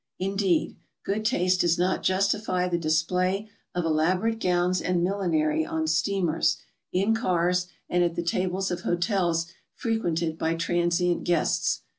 Indeed, good taste does not justify the display of elaborate gowns and PERSONALITIES. 223 millinery on steamers, in cars, and at the tables of hotels frequented by transient guests.